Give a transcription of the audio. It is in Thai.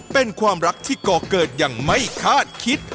เป็นความรักที่ก่อเกิดอย่างไม่คาดคิด